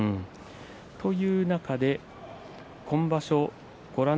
という中で先場所